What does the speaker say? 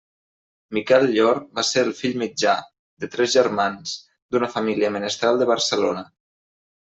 Miquel Llor va ser el fill mitjà, de tres germans, d'una família menestral de Barcelona.